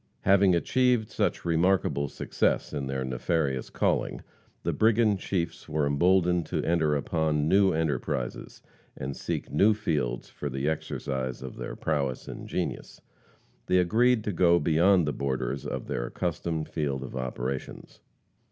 Having achieved such remarkable success in their nefarious calling, the brigand chiefs were emboldened to enter upon new enterprises, and seek new fields for the exercise of their prowess and genius. They agreed to go beyond the borders of their accustomed field of operations.